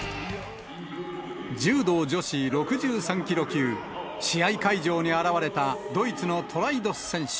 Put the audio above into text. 柔道女子６３キロ級、試合会場に現れたドイツのトライドス選手。